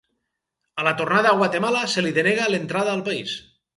A la tornada a Guatemala se li denega l'entrada al país.